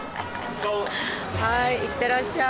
はいいってらっしゃい。